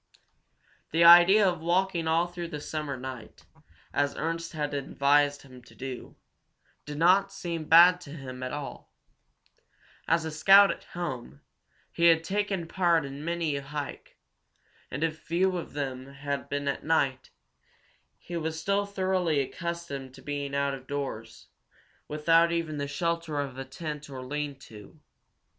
The idea of walking all through the summer night, as Ernst had advised him to do, did not seem bad to him at all. As a scout at home, he had taken part in many a hike, and if few of them had been at night, he was still thoroughly accustomed to being out of doors, without even the shelter of a tent or a lean to.